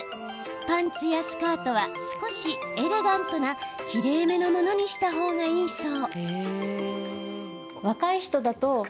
パンツやスカートは少しエレガントな、きれいめのものにしたほうがいいそう。